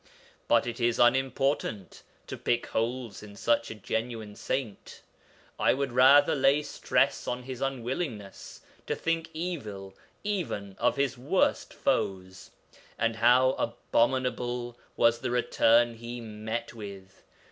But it is unimportant to pick holes in such a genuine saint. I would rather lay stress on his unwillingness to think evil even of his worst foes. And how abominable was the return he met with!